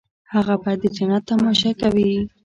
هغه به د جنت تماشه کوي.